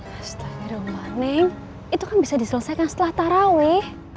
astaga dong mbak neng itu kan bisa diselesaikan setelah taraweh